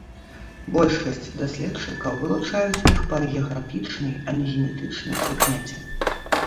Большасць даследчыкаў вылучаюць іх па геаграфічнай, а не генетычнай прыкмеце.